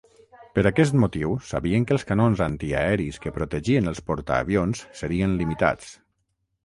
Per aquest motiu, sabien que els canons antiaeris que protegien els portaavions serien limitats.